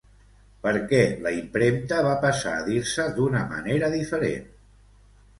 Per què la impremta va passar a dir-se d'una manera diferent?